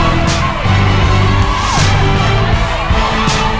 มีทั้งหมด๔จานแล้วนะฮะ